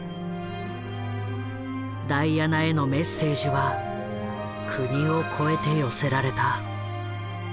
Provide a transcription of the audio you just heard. ダイアナへのメッセージは国をこえて寄せられた。